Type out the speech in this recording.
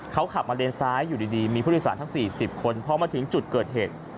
เขาขับมาเลนซ้ายอยู่ดีมีผู้โดยสารทั้ง๔๐คนพอมาถึงจุดเกิดเหตุ